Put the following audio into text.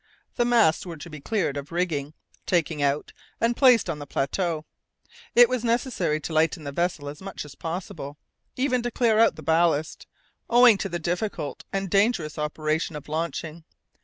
The masts were to be cleared of rigging, taken out, and placed on the plateau. It was necessary to lighten the vessel as much as possible, even to clear out the ballast, owing to the difficult and dangerous operation of launching.